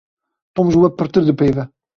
Tom ji we pirtir dipeyive.